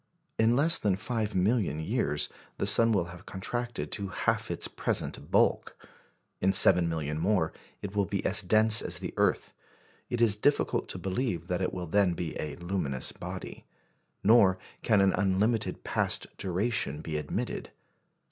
In less than five million years, the sun will have contracted to half its present bulk. In seven million more, it will be as dense as the earth. It is difficult to believe that it will then be a luminous body. Nor can an unlimited past duration be admitted.